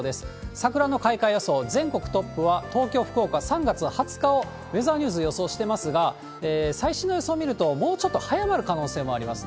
桜の開花予想、全国トップは東京、福岡、３月２０日を、ウェザーニューズ予想していますが、最新の予想を見ると、もうちょっと早まる可能性もあります。